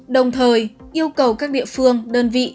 đồng thời yêu cầu các địa phương đơn vị